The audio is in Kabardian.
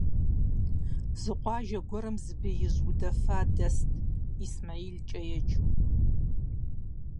Зы къуажэ гуэрым зы беижь удэфа дэст, ИсмэхьилкӀэ еджэу.